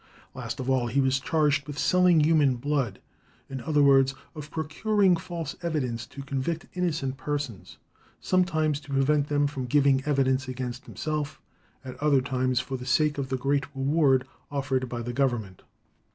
Last of all he was charged with selling human blood; in other words, of procuring false evidence to convict innocent persons; sometimes to prevent them from giving evidence against himself, and at other times for the sake of the great reward offered by the government.